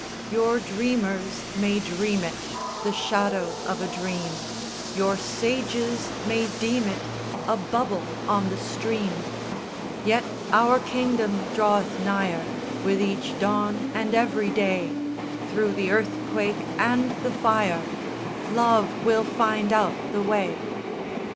"_ IV _Your dreamers may dream it The shadow of a dream, Your sages may deem it A bubble on the stream; Yet our kingdom draweth nigher With each dawn and every day, Through the earthquake and the fire "Love will find out the way."